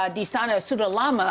di sana sudah lama